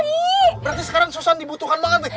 berarti sekarang susan dibutuhkan banget nih